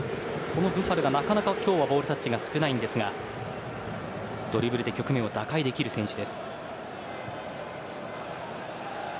このブファルが今日ボールタッチが少ないんですがドリブルで局面を打開できる選手。